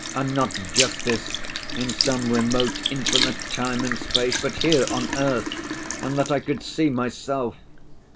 And not justice in some remote infinite time and space, but here on earth, and that I could see myself.